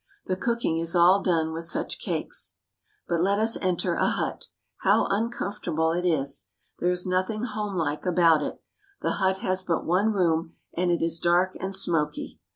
The cooking is all done with such cakes. But let us enter a hut! How uncomfortable it is! There is nothing homelike about it. The hut has but one room, and it is dark and smoky.